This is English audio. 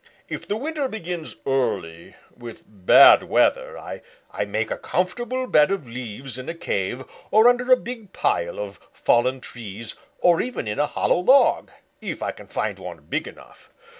If the winter begins early, with bad weather, I make a comfortable bed of leaves in a cave or under a big pile of fallen trees or even in a hollow log, if I can find one big enough.